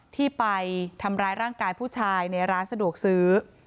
ที่ไปทำร้ายร่างกายผู้ชายในร้านสะดวกซื้อ